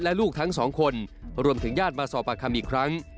และลูกทั้งสองคนรวมถึงญาติมาสอบปากคำอีกครั้ง